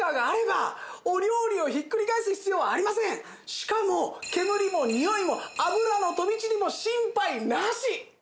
しかも煙もにおいも油の飛び散りも心配なし！